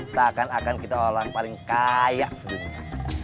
seakan akan kita orang paling kaya sedunia